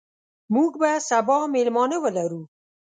موږ به سبا میلمانه ولرو.